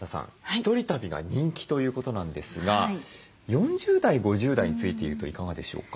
１人旅が人気ということなんですが４０代５０代について言うといかがでしょうか？